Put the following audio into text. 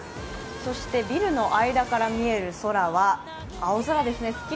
そしてビルの間から見える空は青空ですね。